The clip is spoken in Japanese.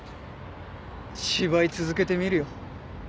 芝居続けてみるよ。